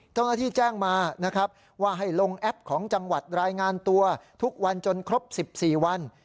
เจ้าหน้าที่แจ้งมานะครับว่าให้ลงแอปของจังหวัดรายงานตัวทุกวันจนครบ๑๔วัน